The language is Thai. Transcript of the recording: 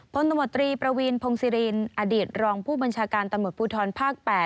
ตมตรีประวีนพงศิรินอดีตรองผู้บัญชาการตำรวจภูทรภาค๘